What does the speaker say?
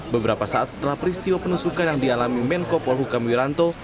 beberapa saat setelah peristiwa penusukan yang dialami menko polhukam wiranto